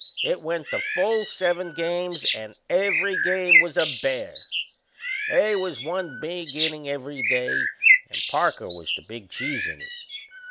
It went the full seven games and every game was a bear. They was one big innin' every day and Parker was the big cheese in it.